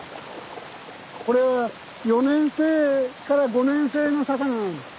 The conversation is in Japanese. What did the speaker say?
これ４年生から５年生の魚なんです。